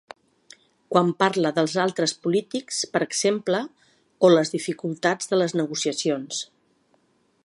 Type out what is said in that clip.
Quan parla dels altres polítics, per exemple, o les dificultats de les negociacions.